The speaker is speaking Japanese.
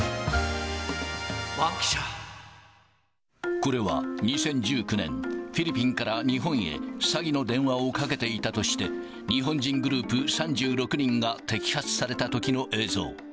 これは２０１９年、フィリピンから日本へ、詐欺の電話をかけていたとして、日本人グループ３６人が摘発されたときの映像。